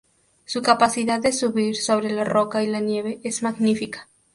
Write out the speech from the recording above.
Su capacidad de subir sobre la roca y la nieve es magnífica.